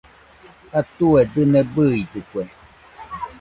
Atue dɨne bɨidɨkue